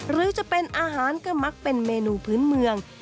หรือจะเป็นอาหารก็มักเป็นเมนูพื้นเมือง